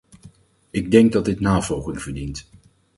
Ik denk dat dit navolging verdient.